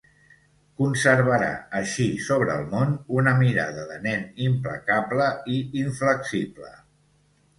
Conservarà així sobre el món una mirada de nen implacable i inflexible.